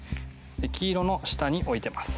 黄色の下に置いてます。